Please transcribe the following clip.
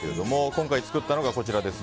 今回作ったのがこちらです。